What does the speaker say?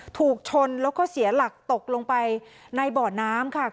ถูกชนแล้วก็เสียหลักตกลงไปในบ่อน้ำค่ะ